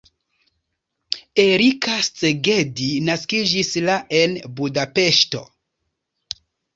Erika Szegedi naskiĝis la en Budapeŝto.